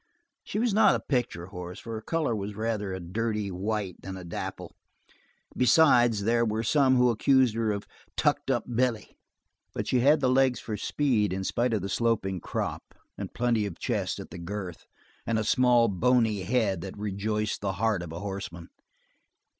She was not a picture horse, for her color was rather a dirty white than a dapple, and besides, there were some who accused her of "tucked up belly." But she had the legs for speed in spite of the sloping croup, and plenty of chest at the girth, and a small, bony head that rejoiced the heart of a horseman.